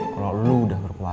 kalau lo udah berkuasa